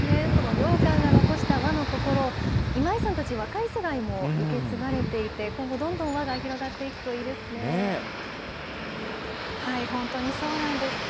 良寛が残した和の心を、今井さんたち、若い世代にも受け継がれていて、今後どんどん和が広がっていくといいですね。